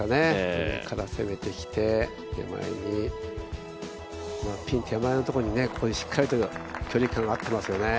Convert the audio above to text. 上から攻めてきて、ピン手前のところに、しっかりと距離感合ってますよね。